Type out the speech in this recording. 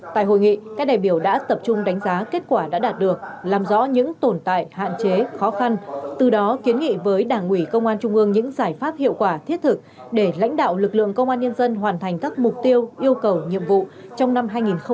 tại hội nghị các đại biểu đã tập trung đánh giá kết quả đã đạt được làm rõ những tồn tại hạn chế khó khăn từ đó kiến nghị với đảng ủy công an trung ương những giải pháp hiệu quả thiết thực để lãnh đạo lực lượng công an nhân dân hoàn thành các mục tiêu yêu cầu nhiệm vụ trong năm hai nghìn hai mươi